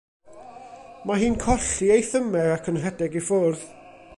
Mae hi'n colli ei thymer ac yn rhedeg i ffwrdd.